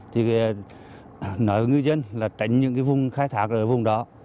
thì nói với người dân là tránh những cái vùng khai thác ở vùng đó